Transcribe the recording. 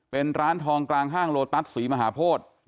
เป็นร้านทองกลางห้างโลตัสศรีมหาโพธิ